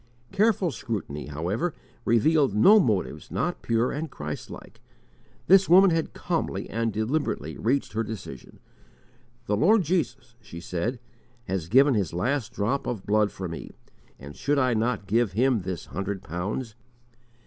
Careful scrutiny, however, revealed no motives not pure and Christlike; this woman had calmly and deliberately reached her decision. "The Lord Jesus," she said, "has given His last drop of blood for me, and should I not give Him this hundred pounds?"